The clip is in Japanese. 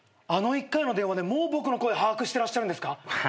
あの１回の電話でもう僕の声把握してらっしゃるんですか？